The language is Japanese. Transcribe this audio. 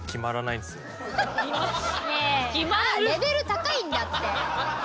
レベル高いんだって。